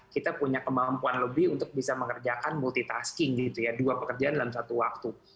kita punya kemampuan lebih untuk bisa mengerjakan multitasking gitu ya dua pekerjaan dalam satu waktu